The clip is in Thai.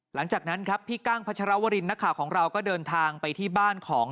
หลังจากนั้นครับพี่กั้งพัชรวรินนักข่าวของเราก็เดินทางไปที่บ้านของ